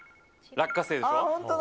落花生でしょ。